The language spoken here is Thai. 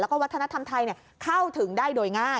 แล้วก็วัฒนธรรมไทยเข้าถึงได้โดยง่าย